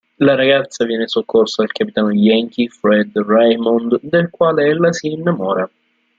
La ragazza viene soccorsa dal capitano yankee Fred Raymond del quale ella si innamora.